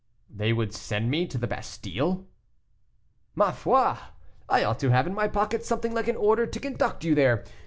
"They would send me to the Bastile?" "Ma foi! I ought to have in my pocket something like an order to conduct you there.